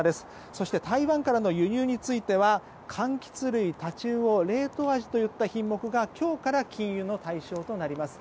そして台湾からの輸入については柑橘類、タチウオ冷凍アジといった品目が今日から禁輸の対象となります。